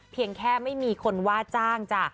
เพียงแค่ไม่มีคนว่าจ้างจ้ะ